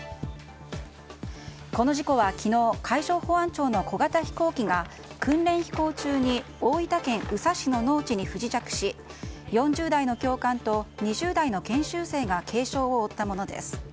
この事故は、昨日海上保安庁の小型飛行機が訓練飛行中に大分県宇佐市の農地に不時着し、４０代の教官と２０代の研修生が軽傷を負ったものです。